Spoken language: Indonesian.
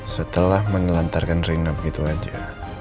setelah menelantarkan rina begitu saja